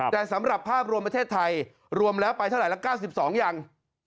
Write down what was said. แต่สำหรับภาพรวมประเทศไทยรวมแล้วไปเท่าไหร่ละ๙๒ยัง